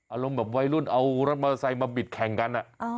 อารมณ์แบบวัยรุ่นเอารถมอเตอร์ไซค์มาบิดแข่งกัน